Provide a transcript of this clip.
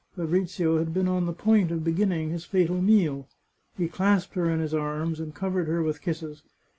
Fabrizio had been on the point of beginning his fatal meal. He clasped her in his arms, and covered her with kisses.